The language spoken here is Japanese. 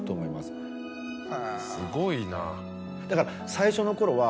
すごいな。